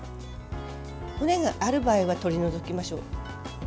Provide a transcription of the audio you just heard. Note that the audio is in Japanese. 骨がある場合は取り除きましょう。